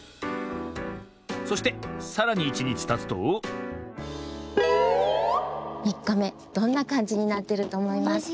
そしてさらに１にちたつと３かめどんなかんじになってるとおもいますか？